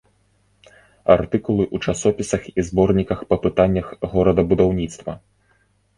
Артыкулы ў часопісах і зборніках па пытаннях горадабудаўніцтва.